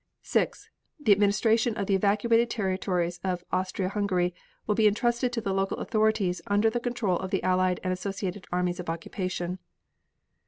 6. The administration of the evacuated territories of Austria Hungary will be entrusted to the local authorities under the control of the Allied and associated armies of occupation.